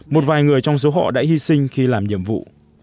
một vài người trong số họ đã hy sinh khi làm nhiệm vụ